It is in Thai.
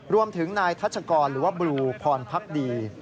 รวมถึงนายทัชกรหรือว่าบลูพรพักดี